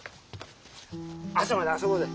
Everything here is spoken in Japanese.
朝まで遊ぼうぜ。